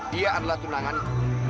dia adalah tunanganku